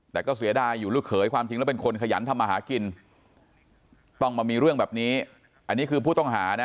แต่ก็เสียดายอยู่ลูกเขยความจริงแล้วเป็นคนขยันทำมาหากินต้องมามีเรื่องแบบนี้อันนี้คือผู้ต้องหานะ